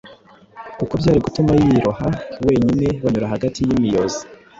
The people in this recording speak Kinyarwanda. kuko byari gutuma yiroha wenyinebanyura hagati yimiozi